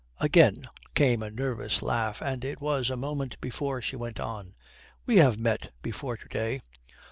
Again came a nervous laugh, and it was a moment before she went on. "We have met before to day."